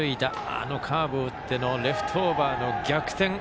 あのカーブを打ってのレフトオーバーの逆転